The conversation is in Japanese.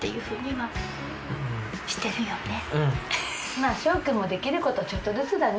まぁ翔くんもできることちょっとずつだね。